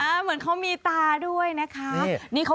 เหมือนเขามีตาด้วยนะคะ